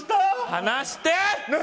離して！